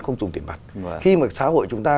không dùng tiền mặt mà khi mà xã hội chúng ta